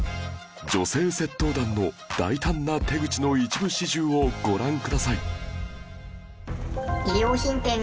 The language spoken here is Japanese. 女性窃盗団の大胆な手口の一部始終をご覧ください